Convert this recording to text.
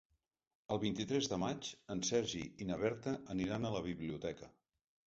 El vint-i-tres de maig en Sergi i na Berta aniran a la biblioteca.